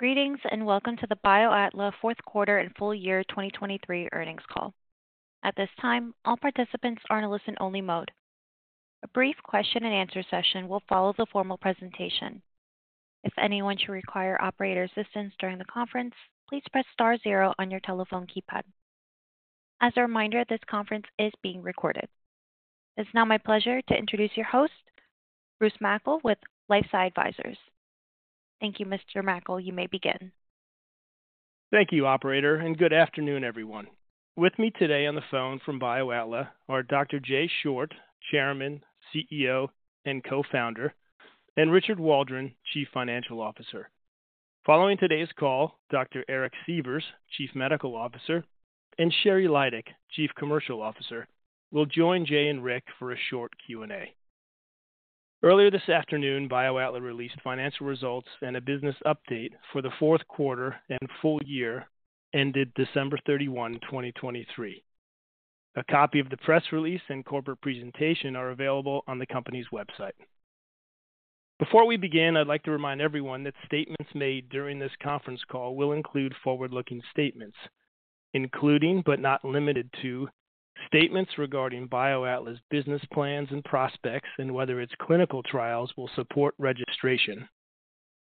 Greetings and welcome to the BioAtla Fourth Quarter and Full Year 2023 Earnings Call. At this time, all participants are in a listen-only mode. A brief question-and-answer session will follow the formal presentation. If anyone should require operator assistance during the conference, please press star zero on your telephone keypad. As a reminder, this conference is being recorded. It is now my pleasure to introduce your host, Bruce Mackle, with LifeSci Advisors. Thank you, Mr. Mackle. You may begin. Thank you, Operator, and good afternoon, everyone. With me today on the phone from BioAtla are Dr. Jay Short, Chairman, CEO and co-founder, and Richard Waldron, Chief Financial Officer. Following today's call, Dr. Eric Sievers, Chief Medical Officer, and Sheri Lydick, Chief Commercial Officer, will join Jay and Rick for a short Q&A. Earlier this afternoon, BioAtla released financial results and a business update for the fourth quarter and full year ended December 31, 2023. A copy of the press release and corporate presentation are available on the company's website. Before we begin, I'd like to remind everyone that statements made during this conference call will include forward-looking statements, including but not limited to: statements regarding BioAtla's business plans and prospects and whether its clinical trials will support registration.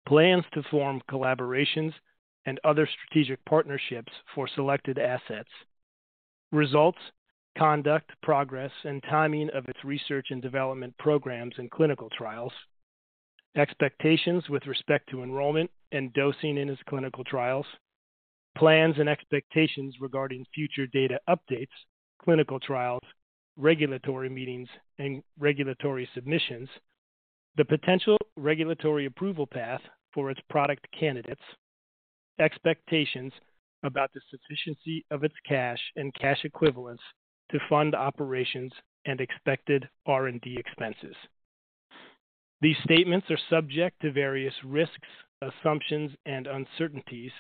Plans to form collaborations and other strategic partnerships for selected assets. Results, conduct, progress, and timing of its research and development programs and clinical trials. Expectations with respect to enrollment and dosing in its clinical trials. Plans and expectations regarding future data updates, clinical trials, regulatory meetings, and regulatory submissions. The potential regulatory approval path for its product candidates. Expectations about the sufficiency of its cash and cash equivalents to fund operations and expected R&D expenses. These statements are subject to various risks, assumptions, and uncertainties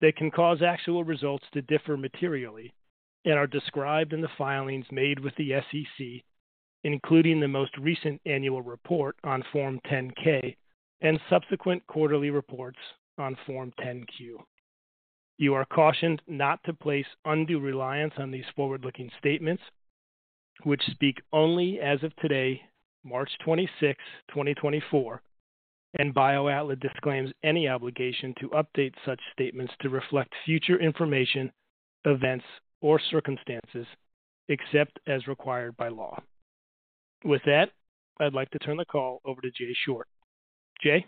that can cause actual results to differ materially and are described in the filings made with the SEC, including the most recent annual report on Form 10-K and subsequent quarterly reports on Form 10-Q. You are cautioned not to place undue reliance on these forward-looking statements, which speak only as of today, March 26th, 2024, and BioAtla disclaims any obligation to update such statements to reflect future information, events, or circumstances except as required by law. With that, I'd like to turn the call over to Jay Short. Jay?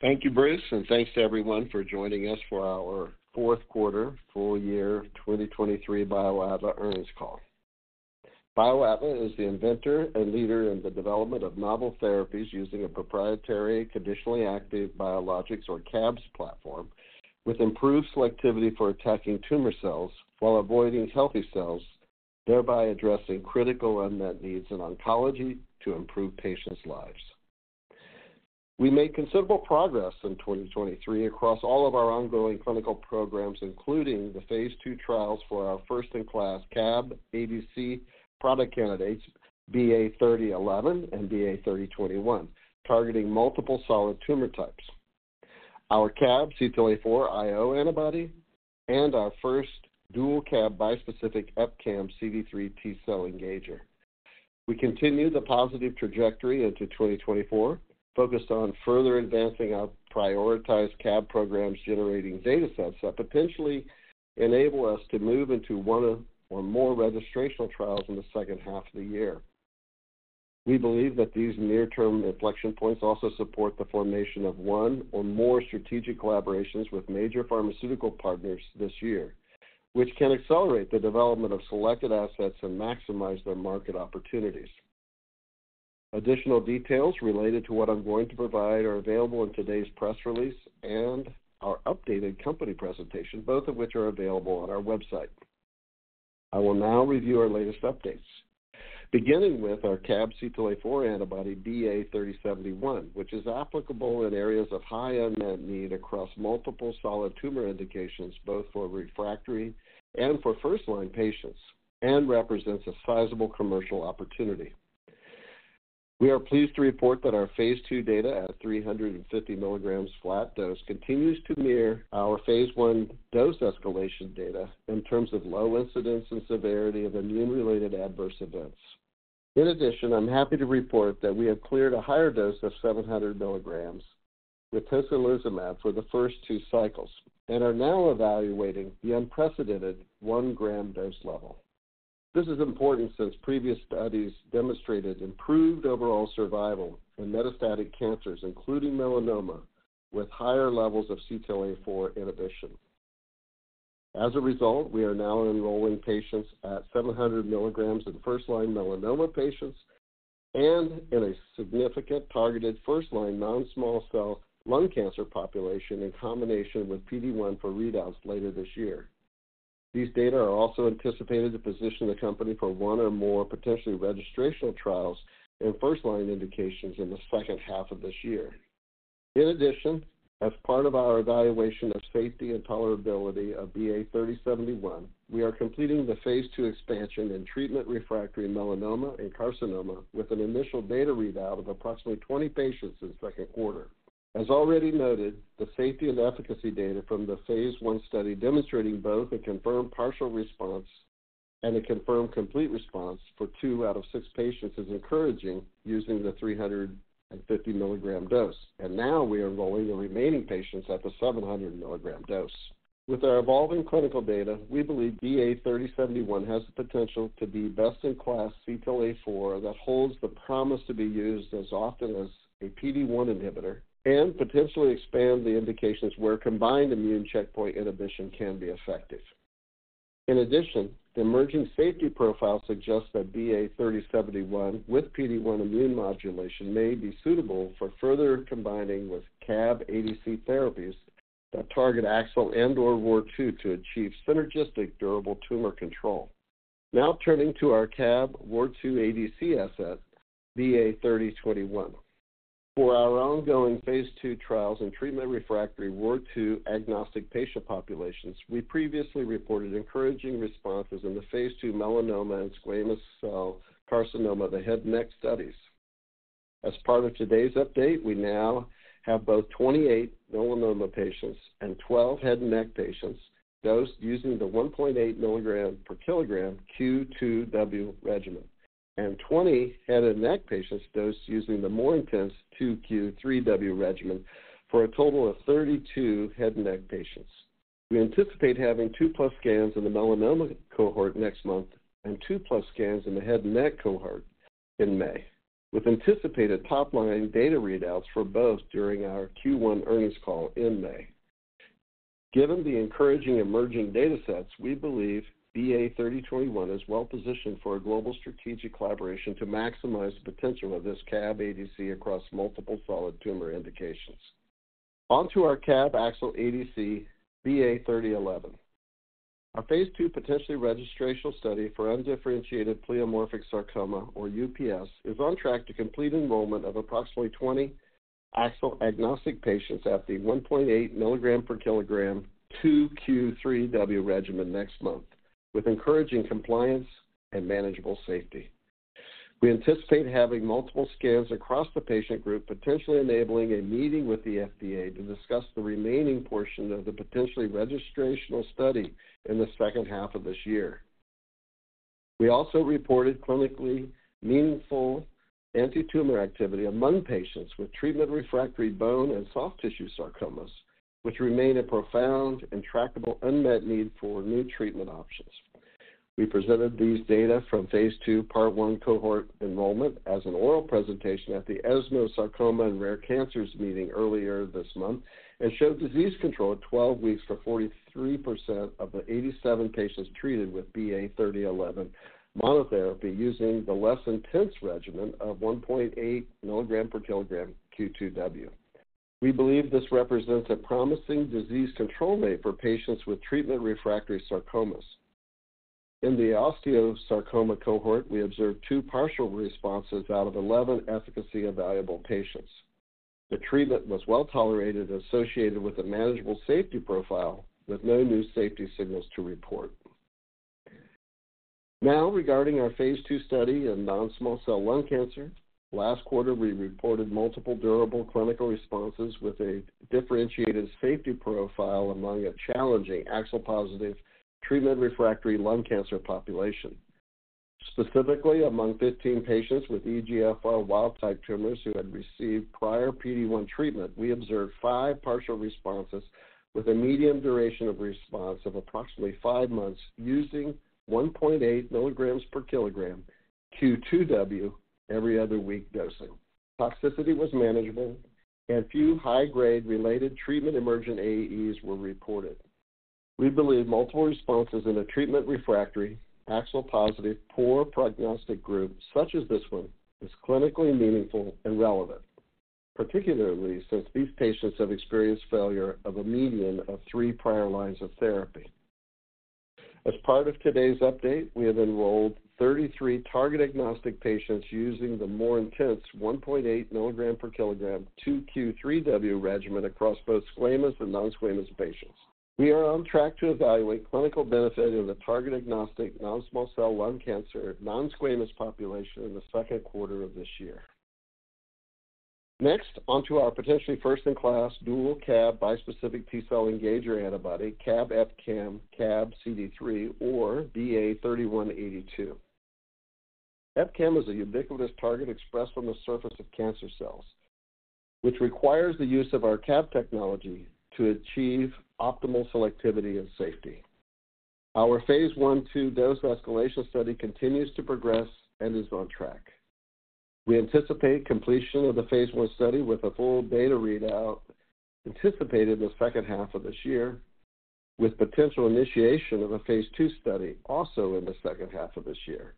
Thank you, Bruce, and thanks to everyone for joining us for our Fourth Quarter, Full Year 2023 BioAtla Earnings Call. BioAtla is the inventor and leader in the development of novel therapies using a proprietary conditionally active biologics, or CABs, platform with improved selectivity for attacking tumor cells while avoiding healthy cells, thereby addressing critical unmet needs in oncology to improve patients' lives. We made considerable progress in 2023 across all of our ongoing clinical programs, including the phase two trials for our first-in-class CAB ADC product candidates, BA3011 and BA3021, targeting multiple solid tumor types, our CAB CTLA-4 IO antibody, and our first dual CAB bispecific EpCAM CD3 T-cell engager. We continue the positive trajectory into 2024, focused on further advancing our prioritized CAB programs generating data sets that potentially enable us to move into one or more registration trials in the second half of the year. We believe that these near-term inflection points also support the formation of one or more strategic collaborations with major pharmaceutical partners this year, which can accelerate the development of selected assets and maximize their market opportunities. Additional details related to what I'm going to provide are available in today's press release and our updated company presentation, both of which are available on our website. I will now review our latest updates, beginning with our CAB-CTLA-4 antibody BA3071, which is applicable in areas of high unmet need across multiple solid tumor indications, both for refractory and for first-line patients, and represents a sizable commercial opportunity. We are pleased to report that our phase II data at a 350 mg flat dose continues to mirror our phase I dose escalation data in terms of low incidence and severity of immune-related adverse events. In addition, I'm happy to report that we have cleared a higher dose of 700 mg with Tocilizumab for the first two cycles and are now evaluating the unprecedented 1 g dose level. This is important since previous studies demonstrated improved overall survival in metastatic cancers, including melanoma, with higher levels of CTLA-4 inhibition. As a result, we are now enrolling patients at 700 mg in first-line melanoma patients and in a significant targeted first-line non-small cell lung cancer population in combination with PD-1 for readouts later this year. These data are also anticipated to position the company for one or more potentially registration trials in first-line indications in the second half of this year. In addition, as part of our evaluation of safety and tolerability of BA3071, we are completing the phase II expansion in treatment refractory melanoma and carcinoma with an initial data readout of approximately 20 patients in second quarter. As already noted, the safety and efficacy data from the phase I study demonstrating both a confirmed partial response and a confirmed complete response for two out of six patients is encouraging using the 350 mg dose, and now we are enrolling the remaining patients at the 700 mg dose. With our evolving clinical data, we believe BA3071 has the potential to be best-in-class CTLA-4 that holds the promise to be used as often as a PD-1 inhibitor and potentially expand the indications where combined immune checkpoint inhibition can be effective. In addition, the emerging safety profile suggests that BA3071 with PD-1 immune modulation may be suitable for further combining with CAB ADC therapies that target AXL and/or ROR2 to achieve synergistic durable tumor control. Now turning to our CAB ROR2 ADC asset, BA3021. For our ongoing phase II trials in treatment-refractory ROR2-agnostic patient populations, we previously reported encouraging responses in the phase II melanoma and squamous cell carcinoma of the head and neck studies. As part of today's update, we now have both 28 melanoma patients and 12 head and neck patients dosed using the 1.8 mg/kg Q2W regimen, and 20 head and neck patients dosed using the more intense 2Q3W regimen for a total of 32 head and neck patients. We anticipate having 2+ scans in the melanoma cohort next month and 2+ scans in the head and neck cohort in May, with anticipated top-line data readouts for both during our Q1 earnings call in May. Given the encouraging emerging data sets, we believe BA3021 is well positioned for a global strategic collaboration to maximize the potential of this CAB ADC across multiple solid tumor indications. Onto our CAB AXL ADC BA3011. Our phase II potentially registration study for undifferentiated pleomorphic sarcoma, or UPS, is on track to complete enrollment of approximately 20 AXL agnostic patients at the 1.8 mg/kg 2Q3W regimen next month, with encouraging compliance and manageable safety. We anticipate having multiple scans across the patient group, potentially enabling a meeting with the FDA to discuss the remaining portion of the potentially registration study in the second half of this year. We also reported clinically meaningful antitumor activity among patients with treatment refractory bone and soft tissue sarcomas, which remain a profound and trackable unmet need for new treatment options. We presented these data from phase II part 1 cohort enrollment as an oral presentation at the ESMO Sarcoma and Rare Cancers meeting earlier this month and showed disease control at 12 weeks for 43% of the 87 patients treated with BA3011 monotherapy using the less intense regimen of 1.8 mg/kg Q2W. We believe this represents a promising disease control rate for patients with treatment refractory sarcomas. In the osteosarcoma cohort, we observed two partial responses out of 11 efficacy evaluable patients. The treatment was well tolerated and associated with a manageable safety profile, with no new safety signals to report. Now, regarding our phase II study in non-small cell lung cancer, last quarter we reported multiple durable clinical responses with a differentiated safety profile among a challenging AXL-positive treatment refractory lung cancer population. Specifically, among 15 patients with EGFR wild-type tumors who had received prior PD-1 treatment, we observed five partial responses with a median duration of response of approximately five months using 1.8 mg/kg Q2W every other week dosing. Toxicity was manageable, and few high-grade related treatment emergent AEs were reported. We believe multiple responses in a treatment refractory AXL-positive poor prognostic group such as this one is clinically meaningful and relevant, particularly since these patients have experienced failure of a median of three prior lines of therapy. As part of today's update, we have enrolled 33 target agnostic patients using the more intense 1.8 mg/kg 2Q3W regimen across both squamous and non-squamous patients. We are on track to evaluate clinical benefit in the target agnostic non-small cell lung cancer non-squamous population in the second quarter of this year. Next, onto our potentially first-in-class dual CAB bispecific T-cell engager antibody, CAB EpCAM, CAB CD3, or BA3182. EpCAM is a ubiquitous target expressed on the surface of cancer cells, which requires the use of our CAB technology to achieve optimal selectivity and safety. Our phase I/II dose escalation study continues to progress and is on track. We anticipate completion of the phase I study with a full data readout anticipated in the second half of this year, with potential initiation of a phase II study also in the second half of this year.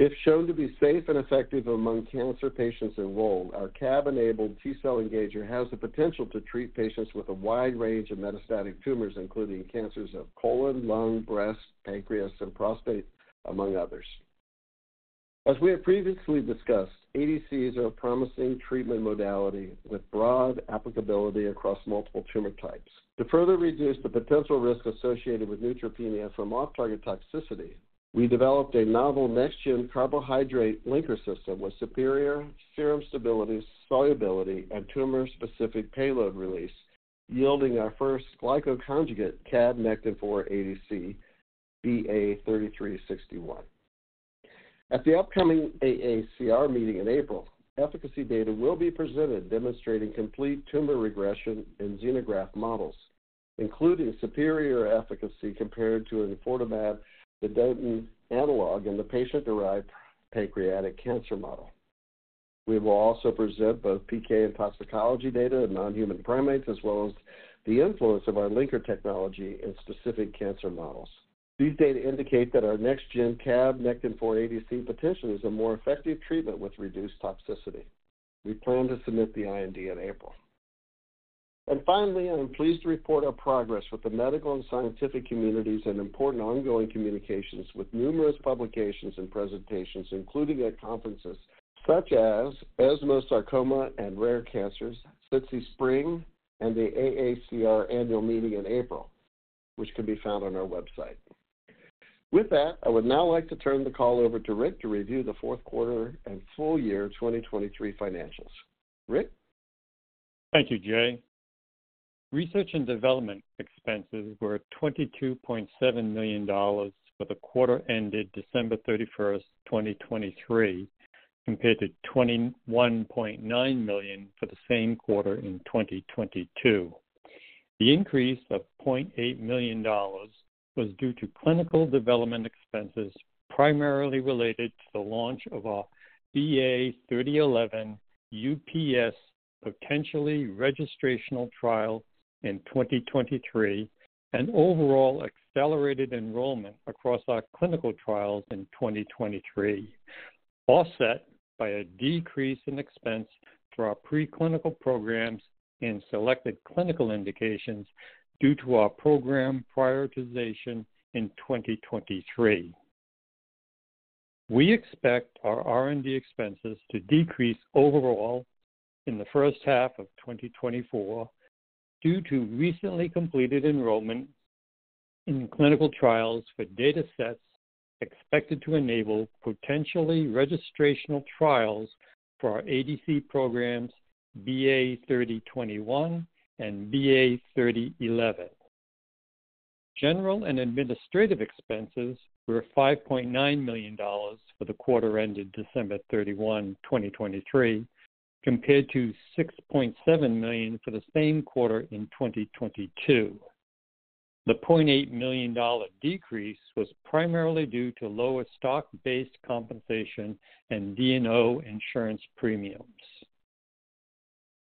If shown to be safe and effective among cancer patients enrolled, our CAB-enabled T-cell engager has the potential to treat patients with a wide range of metastatic tumors, including cancers of colon, lung, breast, pancreas, and prostate, among others. As we have previously discussed, ADCs are a promising treatment modality with broad applicability across multiple tumor types. To further reduce the potential risk associated with neutropenia from off-target toxicity, we developed a novel next-gen carbohydrate linker system with superior serum stability, solubility, and tumor-specific payload release, yielding our first glyco-conjugate CAB Nectin-4 ADC BA3361. At the upcoming AACR meeting in April, efficacy data will be presented demonstrating complete tumor regression in xenograft models, including superior efficacy compared to enfortumab vedotin, and the patient-derived pancreatic cancer model. We will also present both PK and toxicology data in non-human primates, as well as the influence of our linker technology in specific cancer models. These data indicate that our next-gen CAB Nectin-4 ADC potentially is a more effective treatment with reduced toxicity. We plan to submit the IND in April. And finally, I am pleased to report our progress with the medical and scientific communities and important ongoing communications with numerous publications and presentations, including at conferences such as ESMO Sarcoma and Rare Cancers, SITC Spring, and the AACR annual meeting in April, which can be found on our website. With that, I would now like to turn the call over to Rick to review the fourth quarter and full year 2023 financials. Rick? Thank you, Jay. Research and development expenses were $22.7 million for the quarter ended December 31st, 2023, compared to $21.9 million for the same quarter in 2022. The increase of $0.8 million was due to clinical development expenses primarily related to the launch of our BA3011 UPS potentially registration trial in 2023 and overall accelerated enrollment across our clinical trials in 2023, offset by a decrease in expense for our preclinical programs in selected clinical indications due to our program prioritization in 2023. We expect our R&D expenses to decrease overall in the first half of 2024 due to recently completed enrollment in clinical trials for data sets expected to enable potentially registration trials for our ADC programs, BA3021 and BA3011. General and administrative expenses were $5.9 million for the quarter ended December 31, 2023, compared to $6.7 million for the same quarter in 2022. The $0.8 million decrease was primarily due to lower stock-based compensation and D&O insurance premiums.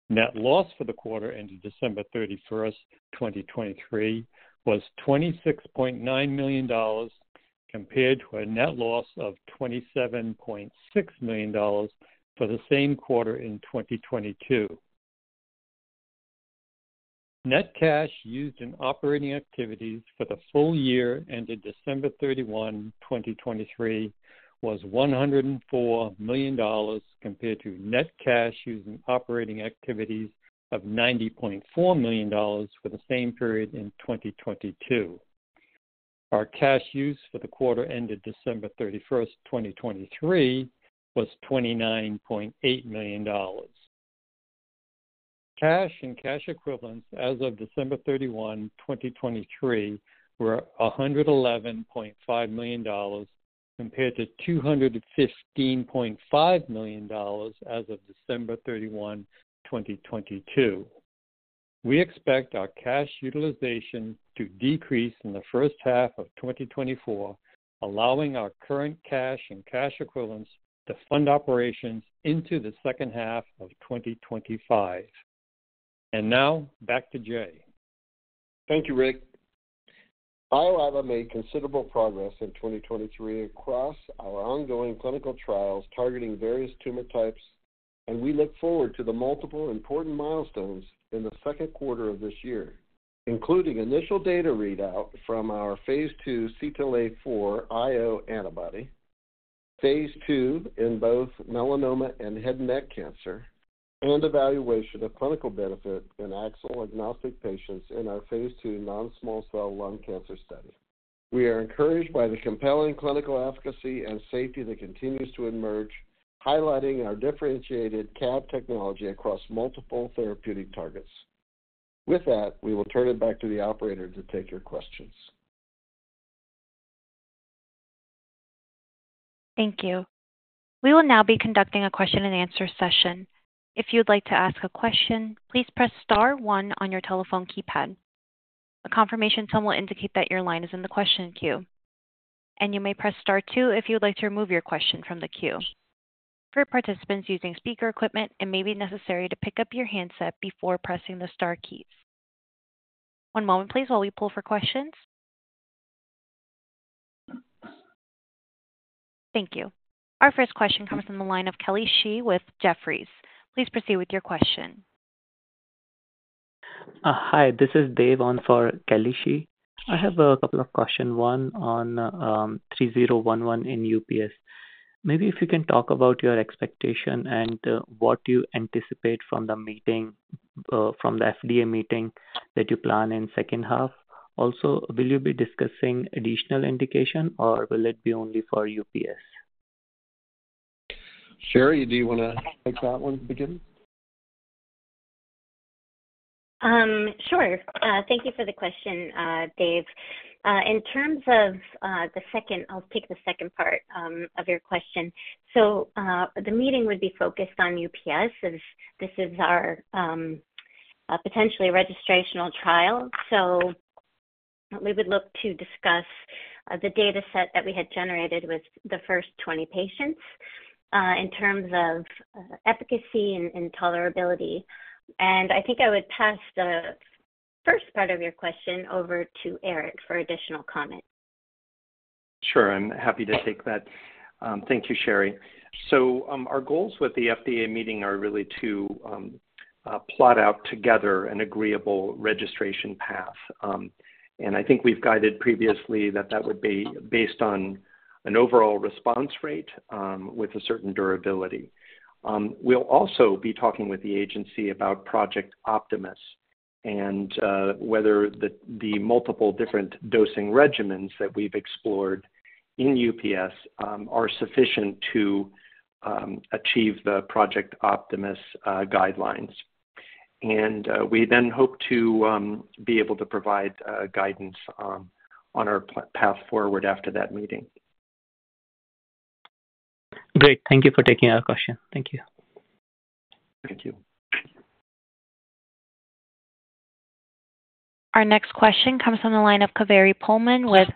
Net loss for the quarter ended December 31st, 2023, was $26.9 million compared to a net loss of $27.6 million for the same quarter in 2022. Net cash used in operating activities for the full year ended December 31, 2023, was $104 million compared to net cash used in operating activities of $90.4 million for the same period in 2022. Our cash use for the quarter ended December 31st, 2023, was $29.8 million. Cash and cash equivalents as of December 31, 2023, were $111.5 million compared to $215.5 million as of December 31, 2022. We expect our cash utilization to decrease in the first half of 2024, allowing our current cash and cash equivalents to fund operations into the second half of 2025. And now back to Jay. Thank you, Rick. BioAtla made considerable progress in 2023 across our ongoing clinical trials targeting various tumor types, and we look forward to the multiple important milestones in the second quarter of this year, including initial data readout from our phase 2 CTLA-4 IO antibody, phase II in both melanoma and head and neck cancer, and evaluation of clinical benefit in AXL agnostic patients in our phase II non-small cell lung cancer study. We are encouraged by the compelling clinical efficacy and safety that continues to emerge, highlighting our differentiated CAB technology across multiple therapeutic targets. With that, we will turn it back to the operator to take your questions. Thank you. We will now be conducting a question-and-answer session. If you would like to ask a question, please press star one on your telephone keypad. A confirmation tone will indicate that your line is in the question queue, and you may press star two if you would like to remove your question from the queue. For participants using speaker equipment, it may be necessary to pick up your handset before pressing the star keys. One moment, please, while we poll for questions. Thank you. Our first question comes from the line of Kelly Shi with Jefferies. Please proceed with your question. Hi, this is Dave on for Kelly Shi. I have a couple of questions. One on 3011 in UPS. Maybe if you can talk about your expectation and what you anticipate from the meeting, from the FDA meeting that you plan in second half. Also, will you be discussing additional indication, or will it be only for UPS? Sheri, do you want to take that one to begin? Sure. Thank you for the question, Dave. In terms of the second, I'll take the second part of your question. So the meeting would be focused on UPS as this is our potentially registration trial. So we would look to discuss the data set that we had generated with the first 20 patients in terms of efficacy and tolerability. And I think I would pass the first part of your question over to Eric for additional comment. Sure. I'm happy to take that. Thank you, Sheri. So our goals with the FDA meeting are really to plot out together an agreeable registration path. And I think we've guided previously that that would be based on an overall response rate with a certain durability. We'll also be talking with the agency about Project Optimus and whether the multiple different dosing regimens that we've explored in UPS are sufficient to achieve the Project Optimus guidelines. We then hope to be able to provide guidance on our path forward after that meeting. Great. Thank you for taking our question. Thank you. Thank you. Our next question comes from the line of Kaveri Pohlman with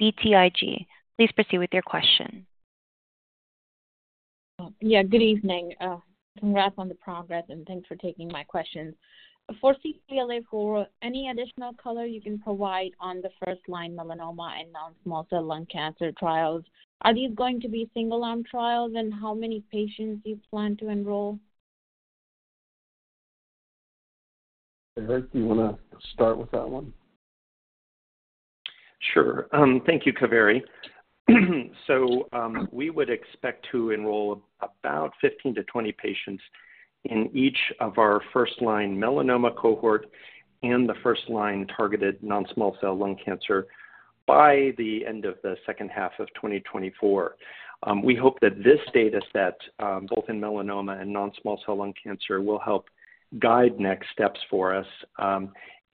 BTIG. Please proceed with your question. Yeah, good evening. Congrats on the progress, and thanks for taking my questions. For CTLA-4, any additional color you can provide on the first-line melanoma and non-small cell lung cancer trials? Are these going to be single-arm trials, and how many patients do you plan to enroll? Rick, do you want to start with that one? Sure. Thank you, Kaveri. So we would expect to enroll about 15-20 patients in each of our first-line melanoma cohort and the first-line targeted non-small cell lung cancer by the end of the second half of 2024. We hope that this data set, both in melanoma and non-small cell lung cancer, will help guide next steps for us.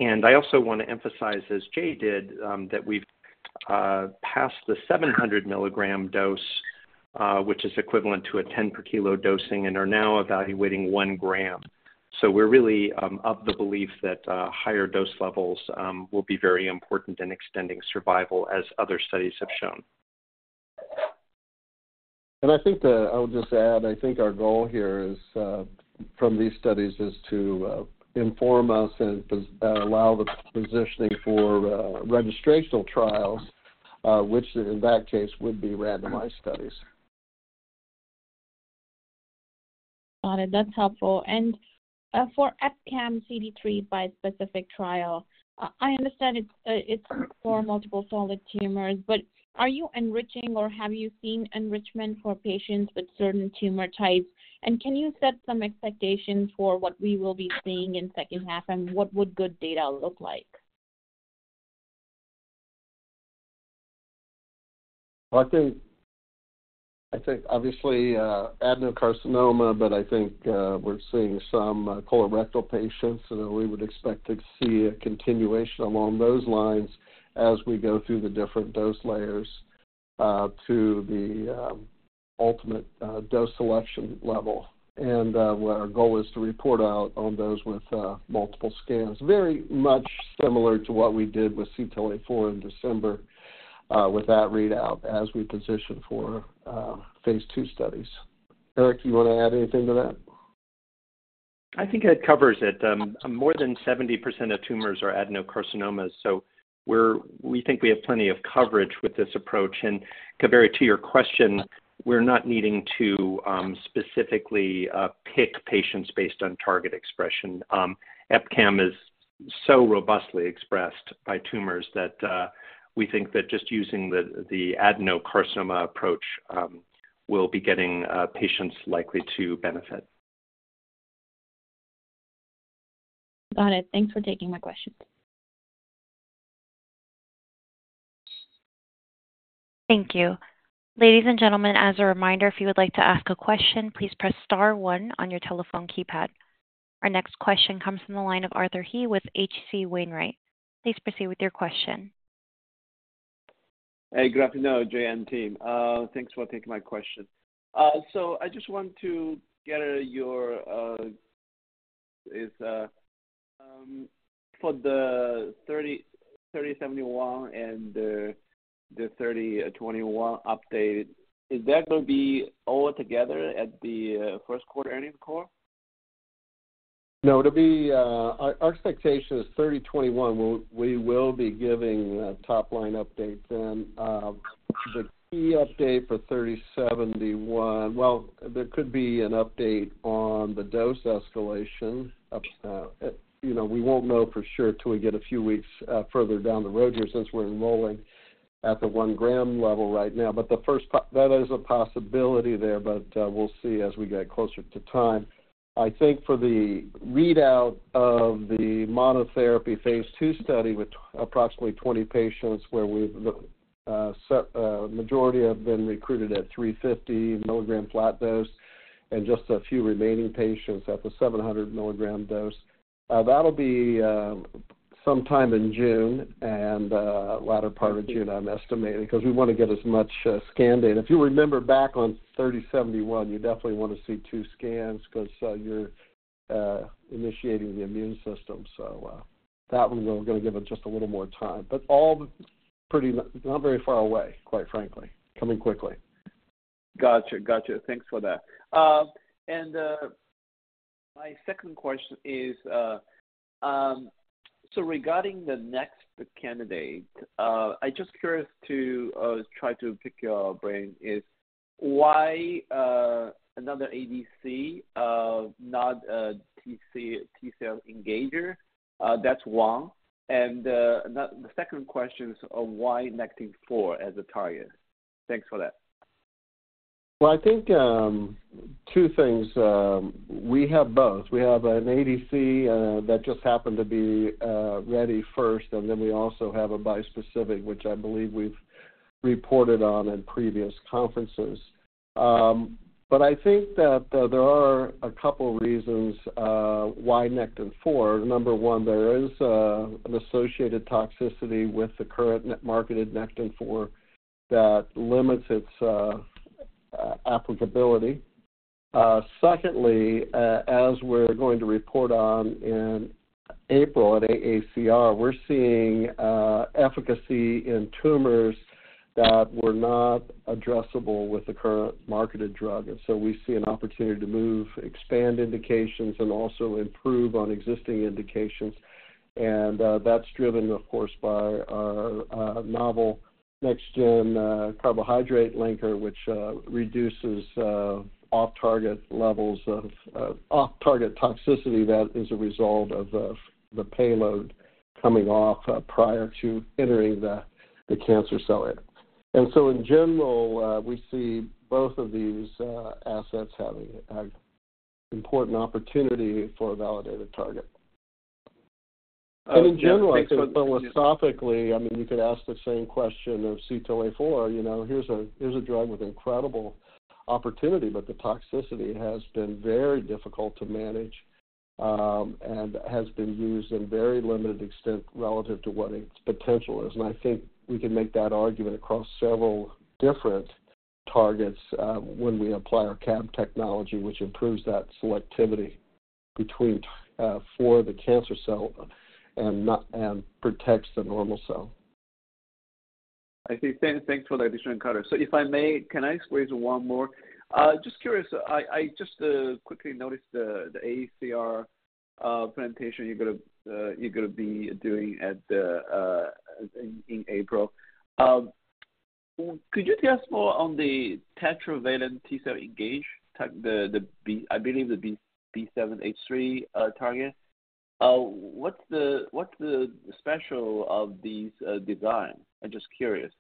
And I also want to emphasize, as Jay did, that we've passed the 700 mg dose, which is equivalent to a 10-per-kilo dosing, and are now evaluating one gram. So we're really of the belief that higher dose levels will be very important in extending survival, as other studies have shown. And I think I'll just add, I think our goal here from these studies is to inform us and allow the positioning for registration trials, which in that case would be randomized studies. Got it. That's helpful. And for EpCAM CD3 bispecific trial, I understand it's for multiple solid tumors, but are you enriching, or have you seen enrichment for patients with certain tumor types? And can you set some expectations for what we will be seeing in second half, and what would good data look like? I think obviously adenocarcinoma, but I think we're seeing some colorectal patients. We would expect to see a continuation along those lines as we go through the different dose layers to the ultimate dose selection level. And our goal is to report out on those with multiple scans, very much similar to what we did with CTLA-4 in December with that readout as we position for phase two studies. Eric, do you want to add anything to that? I think it covers it. More than 70% of tumors are adenocarcinomas, so we think we have plenty of coverage with this approach. And Kaveri, to your question, we're not needing to specifically pick patients based on target expression. EpCAM is so robustly expressed by tumors that we think that just using the adenocarcinoma approach will be getting patients likely to benefit. Got it. Thanks for taking my questions. Thank you. Ladies and gentlemen, as a reminder, if you would like to ask a question, please press star one on your telephone keypad. Our next question comes from the line of Arthur He with H.C. Wainwright. Please proceed with your question. Hey, BioAtla team. Thanks for taking my question. So I just want to get your take for the 3071 and the 3021 update, is that going to be altogether at the first quarter earnings call? No, our expectation is 3021. We will be giving top-line updates then. The key update for 3071, well, there could be an update on the dose escalation. We won't know for sure till we get a few weeks further down the road here since we're enrolling at the 1-g level right now. But that is a possibility there, but we'll see as we get closer to time. I think for the readout of the monotherapy phase II study with approximately 20 patients where the majority have been recruited at 350 mg flat dose and just a few remaining patients at the 700 mg dose, that'll be sometime in June and latter part of June, I'm estimating, because we want to get as much scan data. If you remember back on 3071, you definitely want to see two scans because you're initiating the immune system. So that one we're going to give it just a little more time, but all pretty not very far away, quite frankly, coming quickly. Gotcha. Gotcha. Thanks for that. And my second question is so regarding the next candidate, I just curious to try to pick your brain, is why another ADC, not a T-cell engager? That's one. And the second question is why Nectin-4 as a target? Thanks for that. Well, I think two things. We have both. We have an ADC that just happened to be ready first, and then we also have a bispecific, which I believe we've reported on at previous conferences. But I think that there are a couple of reasons why Nectin-4. Number one, there is an associated toxicity with the current marketed Nectin-4 that limits its applicability. Secondly, as we're going to report on in April at AACR, we're seeing efficacy in tumors that were not addressable with the current marketed drug. And so we see an opportunity to move, expand indications, and also improve on existing indications. And that's driven, of course, by our novel next-gen carbohydrate linker, which reduces off-target levels of off-target toxicity that is a result of the payload coming off prior to entering the cancer cell area. And so in general, we see both of these assets having important opportunity for validated target. And in general, I think philosophically, I mean, you could ask the same question of CTLA-4. Here's a drug with incredible opportunity, but the toxicity has been very difficult to manage and has been used in very limited extent relative to what its potential is. And I think we can make that argument across several different targets when we apply our CAB technology, which improves that selectivity for the cancer cell and protects the normal cell. I see. Thanks for the additional cover. So if I may, can I squeeze one more? Just curious, I just quickly noticed the AACR presentation you're going to be doing in April. Could you tell us more on the tetravalent T-cell engager, I believe the B7-H3 target? What's the special of these designs? I'm just curious.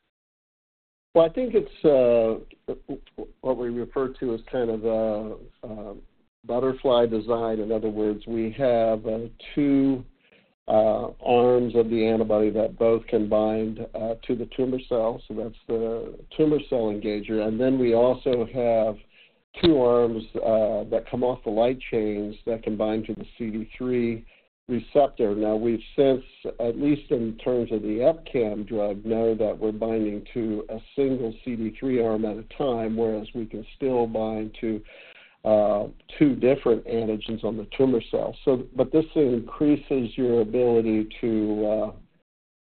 Well, I think it's what we refer to as kind of a butterfly design. In other words, we have two arms of the antibody that both can bind to the tumor cell. So that's the tumor cell engager. And then we also have two arms that come off the light chains that can bind to the CD3 receptor. Now, we've since, at least in terms of the EpCAM drug, known that we're binding to a single CD3 arm at a time, whereas we can still bind to two different antigens on the tumor cell. But this increases your ability to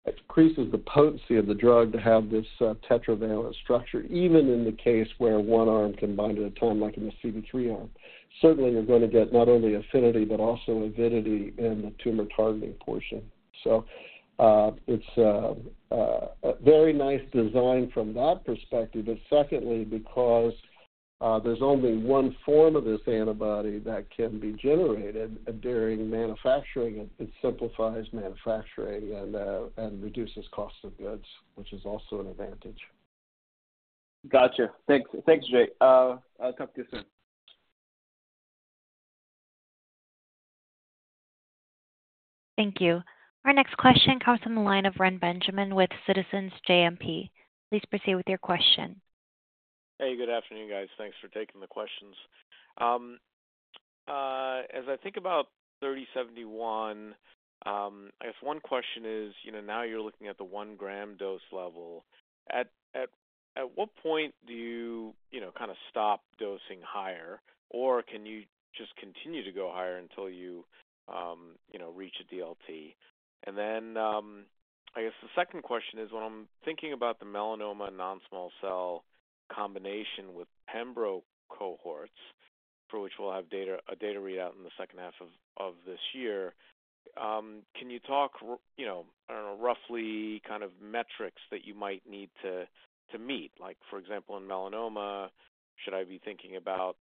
increases the potency of the drug to have this tetravalent structure, even in the case where one arm can bind at a time like in the CD3 arm. Certainly, you're going to get not only affinity but also avidity in the tumor targeting portion. So it's a very nice design from that perspective. But secondly, because there's only one form of this antibody that can be generated during manufacturing, it simplifies manufacturing and reduces costs of goods, which is also an advantage. Gotcha. Thanks, Jay. I'll talk to you soon. Thank you. Our next question comes from the line of Reni Benjamin with Citizens JMP. Please proceed with your question. Hey, good afternoon, guys. Thanks for taking the questions. As I think about 3071, I guess one question is, now you're looking at the 1-g dose level. At what point do you kind of stop dosing higher, or can you just continue to go higher until you reach a DLT? And then I guess the second question is, when I'm thinking about the melanoma non-small cell combination with pembrolizumab cohorts, for which we'll have a data readout in the second half of this year, can you talk, I don't know, roughly kind of metrics that you might need to meet? For example, in melanoma, should I be thinking about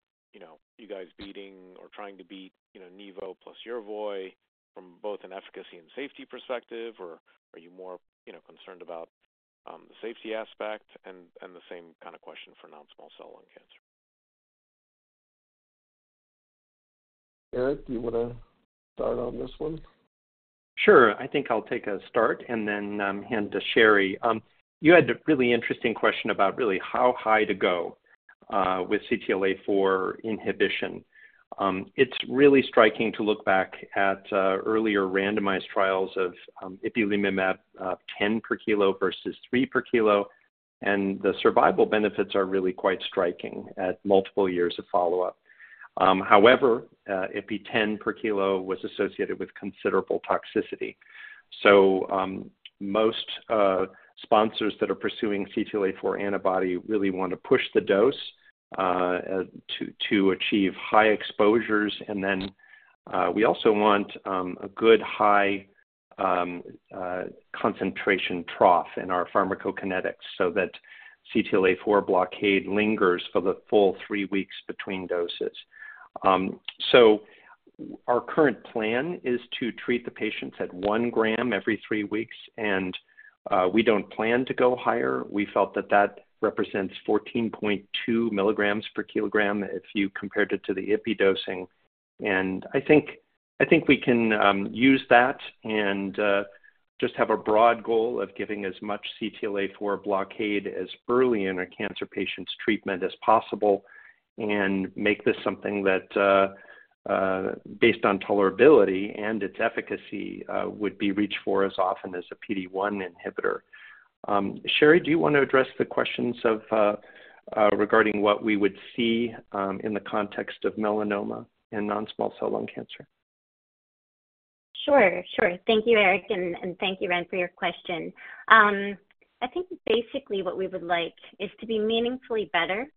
you guys beating or trying to beat nivo plus Yervoy from both an efficacy and safety perspective, or are you more concerned about the safety aspect? And the same kind of question for non-small cell lung cancer. Eric, do you want to start on this one? Sure. I think I'll take a start and then hand to Sheri. You had a really interesting question about really how high to go with CTLA-4 inhibition. It's really striking to look back at earlier randomized trials of Ipilimumab 10 per kilo versus 3 per kilo, and the survival benefits are really quite striking at multiple years of follow-up. However, ipi 10 per kilo was associated with considerable toxicity. So most sponsors that are pursuing CTLA-4 antibody really want to push the dose to achieve high exposures. And then we also want a good high concentration trough in our pharmacokinetics so that CTLA-4 blockade lingers for the full three weeks between doses. So our current plan is to treat the patients at 1 g every three weeks, and we don't plan to go higher. We felt that that represents 14.2 mg/kg if you compared it to the ipi dosing. And I think we can use that and just have a broad goal of giving as much CTLA-4 blockade as early in our cancer patients' treatment as possible and make this something that, based on tolerability and its efficacy, would be reached for as often as a PD-1 inhibitor. Sheri, do you want to address the questions regarding what we would see in the context of melanoma and non-small cell lung cancer? Sure. Sure. Thank you, Eric, and thank you, Ren, for your question. I think basically what we would like is to be meaningfully better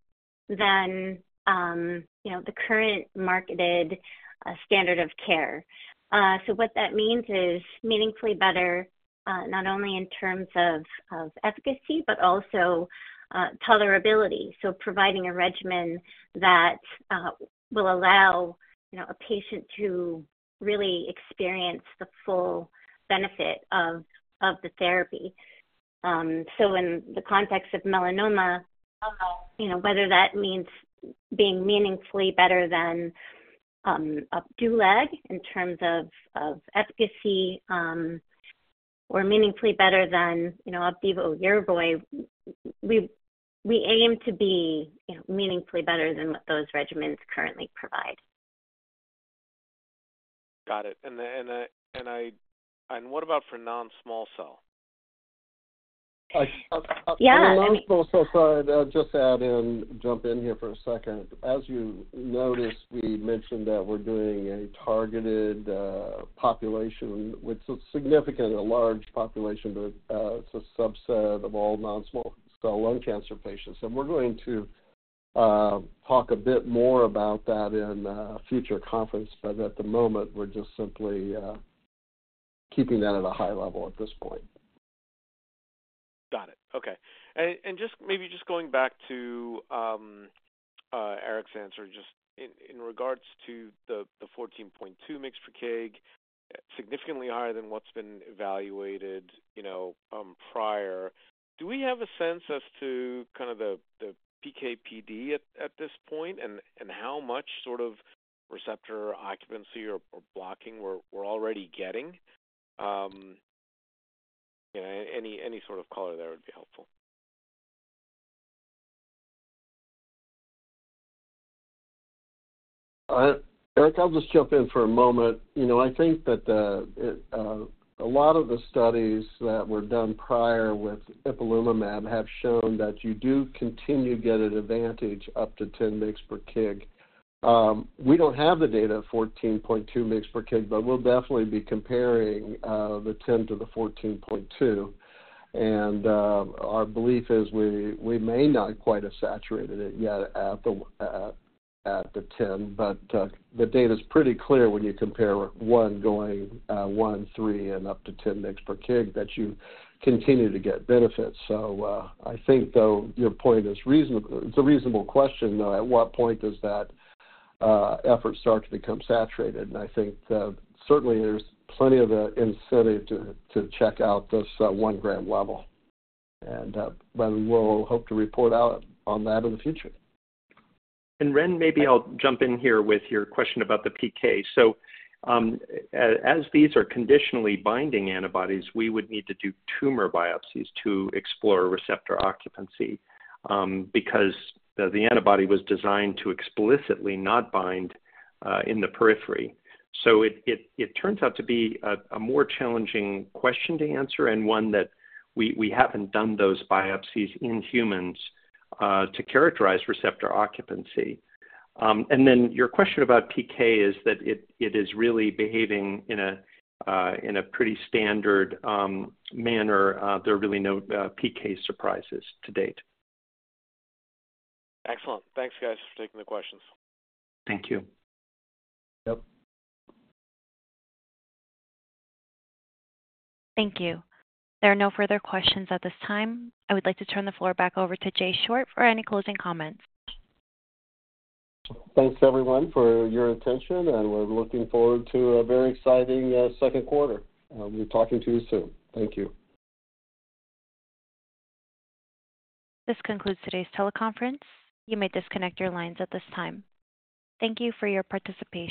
than the current marketed standard of care. So what that means is meaningfully better not only in terms of efficacy but also tolerability, so providing a regimen that will allow a patient to really experience the full benefit of the therapy. So in the context of melanoma, whether that means being meaningfully better than Opdualag in terms of efficacy or meaningfully better than Opdivo or Yervoy, we aim to be meaningfully better than what those regimens currently provide. Got it. And what about for non-small cell? Yeah. Non-small cell, sorry. I'll just add and jump in here for a second. As you noticed, we mentioned that we're doing a targeted population which is significant, a large population, but it's a subset of all non-small cell lung cancer patients. And we're going to talk a bit more about that in a future conference, but at the moment, we're just simply keeping that at a high level at this point. Got it. Okay. And maybe just going back to Eric's answer, just in regards to the 14.2 mg/kg, significantly higher than what's been evaluated prior, do we have a sense as to kind of the PKPD at this point and how much sort of receptor occupancy or blocking we're already getting? Any sort of color there would be helpful. Eric, I'll just jump in for a moment. I think that a lot of the studies that were done prior with Ipilimumab have shown that you do continue to get an advantage up to 10 mg/kg. We don't have the data at 14.2 mg/kg, but we'll definitely be comparing the 10 to the 14.2. Our belief is we may not quite have saturated it yet at the 10, but the data is pretty clear when you compare one going 1mg, 3mg, and up to 10 mg for KIG that you continue to get benefits. So I think, though, your point is reasonable. It's a reasonable question, though. At what point does that effort start to become saturated? And I think certainly there's plenty of incentive to check out this 1-gram level, but we'll hope to report out on that in the future. And Ren, maybe I'll jump in here with your question about the PK. So as these are conditionally binding antibodies, we would need to do tumor biopsies to explore receptor occupancy because the antibody was designed to explicitly not bind in the periphery. So it turns out to be a more challenging question to answer and one that we haven't done those biopsies in humans to characterize receptor occupancy. And then your question about PK is that it is really behaving in a pretty standard manner. There are really no PK surprises to date. Excellent. Thanks, guys, for taking the questions. Thank you. Yep. Thank you. There are no further questions at this time. I would like to turn the floor back over to Jay Short for any closing comments. Thanks, everyone, for your attention, and we're looking forward to a very exciting second quarter. We'll be talking to you soon. Thank you. This concludes today's teleconference. You may disconnect your lines at this time. Thank you for your participation.